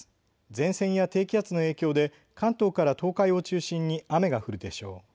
前線や低気圧の影響で関東から東海を中心に雨が降るでしょう。